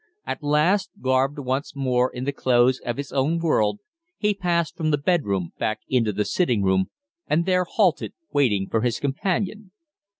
At last, garbed once more in the clothes of his own world, he passed from the bedroom back into the sitting room, and there halted, waiting for his companion.